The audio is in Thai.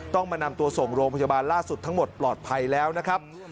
ต้องมานำตัวส่งโรงพยาบาลล่าสุดทั้งหมดปลอดภัยแล้วนะครับ